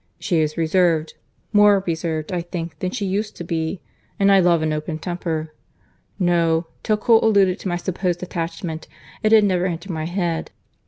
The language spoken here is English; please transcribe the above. She is reserved, more reserved, I think, than she used to be—And I love an open temper. No—till Cole alluded to my supposed attachment, it had never entered my head.